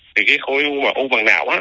thì cái khối u bằng não á